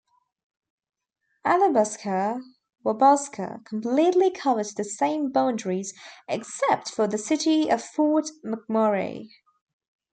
Athabasca-Wabasca completely covered the same boundaries except for the city of Fort McMurray.